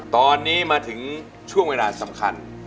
ตอนนี้มาถึงช่วงเวลาสำคัญ